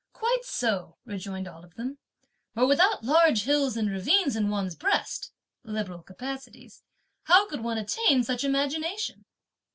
"Quite so," rejoined all of them. "But without large hills and ravines in one's breast (liberal capacities), how could one attain such imagination!"